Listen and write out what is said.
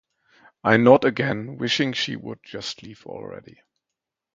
I nod again, wishing she would just leave already.